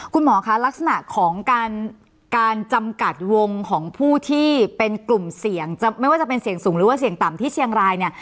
คุณหมอคะลักษณะของการจำกัดวงของผู้ที่เป็นกลุ่มเสี่ยงจะไม่ว่าจะเป็นเสี่ยงสูงหรือว่าเสี่ยงต่ำที่เชียงรายเนี่ย